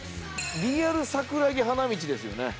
リアル桜木花道ですよね。